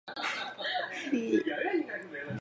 李继韬少年时就狡狯无赖。